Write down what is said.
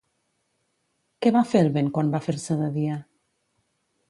Què va fer el vent quan va fer-se de dia?